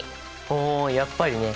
ほうやっぱりね！